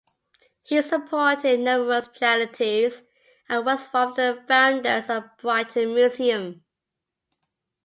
He supported numerous charities and was one of the founders of Brighton Museum.